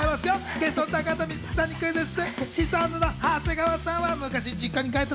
ゲストの高畑充希さんにクイズッス！